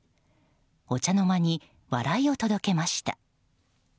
お茶の間に笑いを届けました。